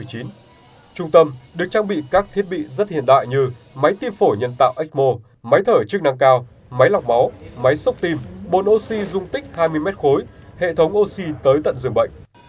trung tâm được trang bị các thiết bị rất hiện đại như máy tim phổi nhân tạo ecmo máy thở chức năng cao máy lọc máu máy xúc tim bồn oxy dung tích hai mươi mét khối hệ thống oxy tới tận giường bệnh